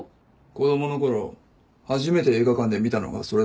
子供の頃初めて映画館で見たのがそれだったから。